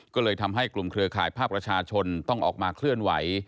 ก็เลยทำให้กลุ่มเครือข่ายภาคประชาชนต้องออกมาเคลื่อนไหว